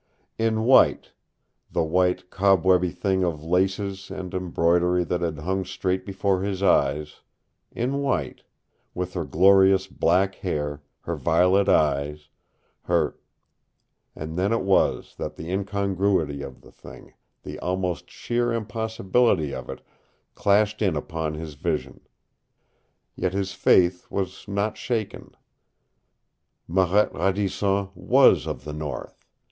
In white the white, cobwebby thing of laces and embroidery that had hung straight before his eyes in white with her glorious black hair, her violet eyes, her And then it was that the incongruity of the thing, the almost sheer impossibility of it, clashed in upon his vision. Yet his faith was not shaken. Marette Radisson was of the North.